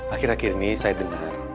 akhir akhir ini saya dengar